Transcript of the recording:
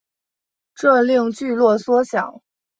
这令聚落缩小。